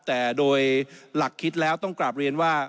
แต่โดยหลักคิดแล้วต้องกลับเรียนว่า